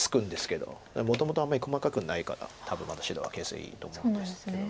もともとあんまり細かくないから多分まだ白が形勢がいいと思うんですけど。